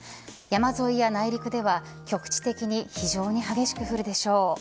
山沿いや内陸では局地的に非常に激しく降るでしょう。